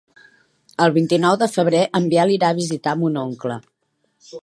El vint-i-nou de febrer en Biel irà a visitar mon oncle.